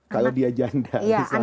kalau dia janda